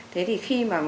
thế thì khi mà